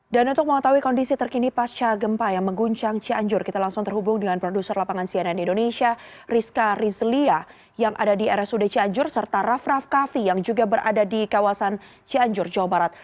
dan untuk mengetahui kondisi terkini pasca gempa yang mengguncang cianjur kita langsung terhubung dengan produser lapangan cnn indonesia rizka rizlia yang ada di rsud cianjur serta rav rav kavi yang juga berada di kawasan cianjur jawa barat